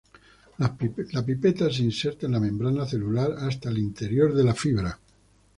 La pipeta se inserta en la membrana celular hasta el interior de la fibra.